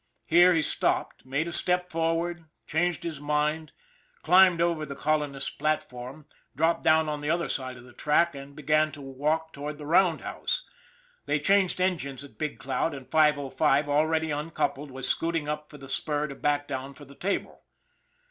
Here he stopped, made a step forward, changed his mind, climbed over the colonist's platform, dropped down on the other side of the track, and began to walk toward the roundhouse they changed engines at Big Cloud and 505, already uncoupled, was scooting up for the spur to back down for the 'table.